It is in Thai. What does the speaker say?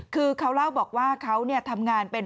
คือเขาเล่าบอกว่าเขาทำงานเป็น